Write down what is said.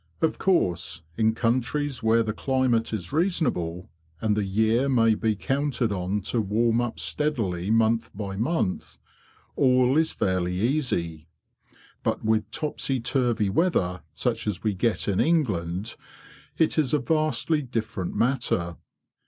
Of course, in countries where the climate is reasonable, and the year may be counted on to warm up steadily month by month, all this is fairly easy; but with topsy turvy weather, such as we get in England, it is a vastly different matter.